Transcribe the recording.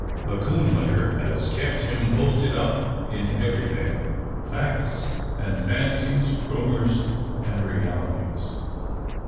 The coon hunter has kept him posted up in everything facts and fancies, rumours and realities.